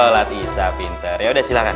sholat isya pinter yaudah silahkan